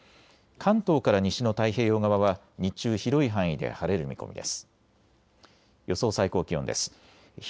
関東から西の太平洋側は日中、広い範囲で晴れる見込みです。